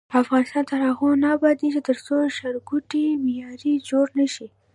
افغانستان تر هغو نه ابادیږي، ترڅو ښارګوټي معیاري جوړ نشي.